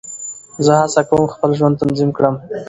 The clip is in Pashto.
زه هڅه کوم خپل ژوند تنظیم کړم.